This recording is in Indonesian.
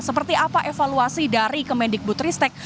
seperti apa evaluasi dari kemendikbud ristek